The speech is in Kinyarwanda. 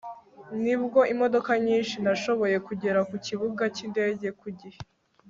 n'ubwo imodoka nyinshi, nashoboye kugera ku kibuga cy'indege ku gihe